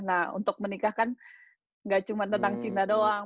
nah untuk menikah kan nggak cuma tentang cinta doang